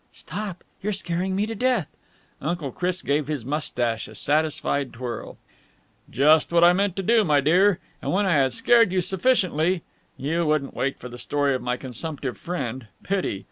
"Stop! You're scaring me to death!" Uncle Chris gave his moustache a satisfied twirl. "Just what I meant to do, my dear. And, when I had scared you sufficiently you wouldn't wait for the story of my consumptive friend. Pity!